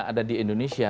ada di indonesia